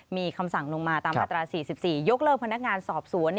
มีคำสั่งลงมาตามมาตรา๔๔ยกเลิกพนักงานสอบสวน